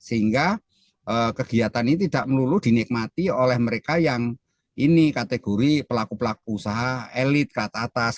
sehingga kegiatan ini tidak melulu dinikmati oleh mereka yang ini kategori pelaku pelaku usaha elit ke atas